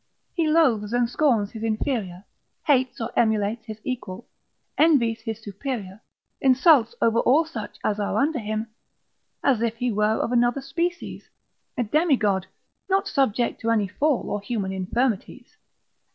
He loathes and scorns his inferior, hates or emulates his equal, envies his superior, insults over all such as are under him, as if he were of another species, a demigod, not subject to any fall, or human infirmities.